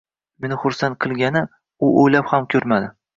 Meni xursand qilgani, u oʻylab ham koʻrmadi.